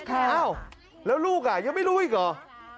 อ้าวแล้วลูกอ่ะยังไม่รู้อีกหรอ